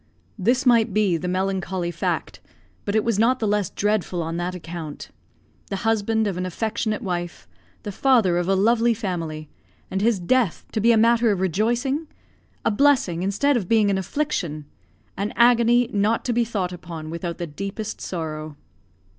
This might be the melancholy fact, but it was not the less dreadful on that account. The husband of an affectionate wife the father of a lovely family and his death to be a matter of rejoicing! a blessing, instead of being an affliction! an agony not to be thought upon without the deepest sorrow.